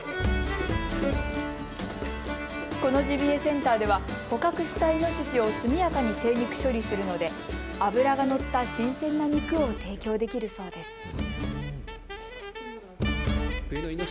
このジビエセンターでは捕獲したイノシシを速やかに精肉処理するので脂が乗った新鮮な肉を提供できるそうです。